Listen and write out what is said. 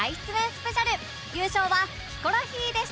スペシャル優勝はヒコロヒーでした